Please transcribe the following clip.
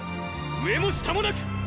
上も下もなく！